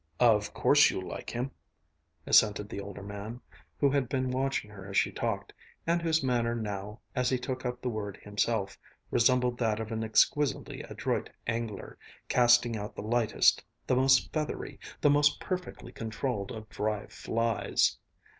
'" "Of course you like him," assented the older man, who had been watching her as she talked, and whose manner now, as he took up the word himself, resembled that of an exquisitely adroit angler, casting out the lightest, the most feathery, the most perfectly controlled of dry flies.